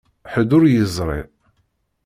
Ḥedd ur yeẓri.